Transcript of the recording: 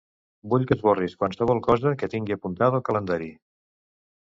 Vull que esborris qualsevol cosa que tingui apuntada al calendari.